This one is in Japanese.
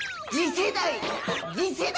「次世代！